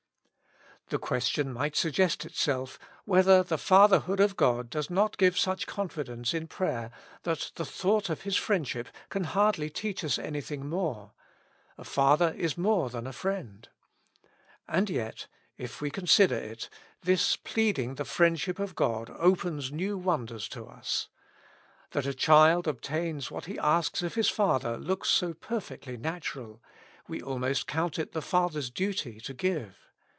The question might suggest itself, whether the Fatherhood of God does not give such confidence in prayer that the thought of His friendship can hardly teach us anything more : a father is more than a friend. And yet, if we consider it, this pleading the friendship of God opens new wonders to us. That a child obtains what he asks of his father looks so perfectly natural, we almost count it the father's duty to give.